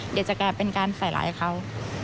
เดี๋ยวจะแกล้งเป็นการใส่หลายเขา